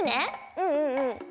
うんうんうん。